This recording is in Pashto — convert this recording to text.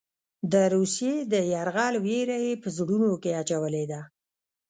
د روسیې د یرغل وېره یې په زړونو کې اچولې ده.